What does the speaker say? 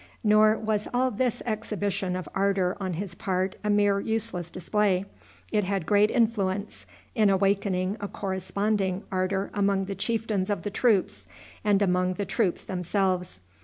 Nor was all this exhibition of ardor on his part a mere useless display. It had great influence in awakening a corresponding ardor among the chieftains of the troops, and among the troops themselves.